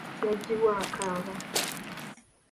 Yaggibwa akaba.